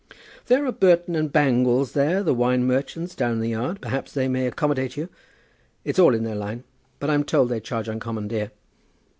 "There are Burton and Bangles there, the wine merchants down in the yard; perhaps they may accommodate you. It's all in their line; but I'm told they charge uncommon dear."